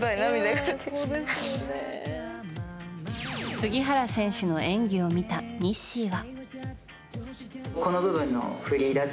杉原選手の演技を見たＮｉｓｓｙは。